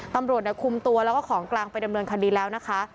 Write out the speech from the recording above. ปรับบรวมเนี่ยคุ้มตัวแล้วก็ของกลางไปดำเนินคันดีแล้วนะคะ